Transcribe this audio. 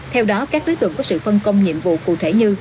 theo đó các đối tượng có sự phân công nhiệm vụ cụ thể như